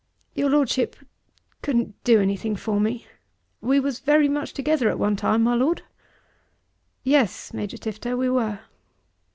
Your Lordship couldn't do anything for me? We was very much together at one time, my Lord." "Yes, Major Tifto, we were."